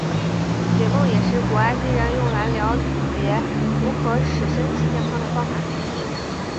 解梦也是古埃及人用来瞭解如何使身体健康的方法之一。